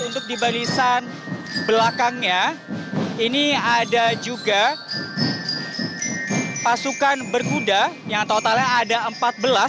untuk di barisan belakangnya ini ada juga pasukan berkuda yang totalnya ada empat belas